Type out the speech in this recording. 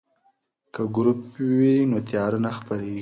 که ګروپ وي نو تیاره نه خپریږي.